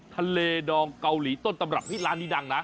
ดองเกาหลีต้นตำรับร้านนี้ดังนะ